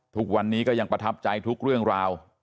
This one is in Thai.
ทุกวันนี้ก็ยังประทับใจทุกเรื่องราว